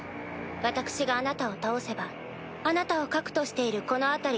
・私があなたを倒せばあなたを核としているこの辺り